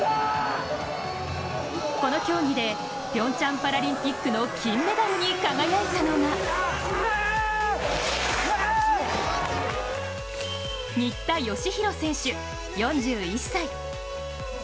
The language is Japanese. この競技でピョンチャンパラリンピックの金メダルに輝いたのは新田佳浩選手、４１歳。